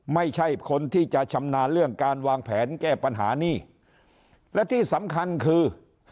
ไม่ใช่คนที่จะชำนาญเรื่องการวางแผนแก้ปัญหานี่และที่สำคัญคือ